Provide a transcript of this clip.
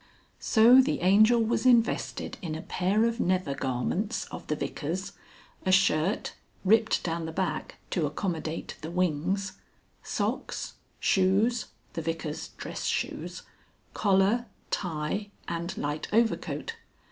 So the Angel was invested in a pair of nether garments of the Vicar's, a shirt, ripped down the back (to accommodate the wings), socks, shoes the Vicar's dress shoes collar, tie, and light overcoat.